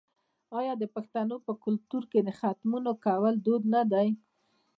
آیا د پښتنو په کلتور کې د ختمونو کول دود نه دی؟